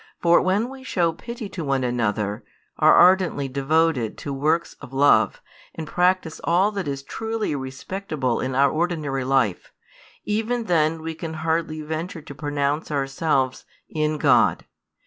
For when we show pity to one another, are ardently devoted to works of love, and practise all that is truly respectable in our ordinary life, even then we can hardly venture to pronounce ourselves "in God."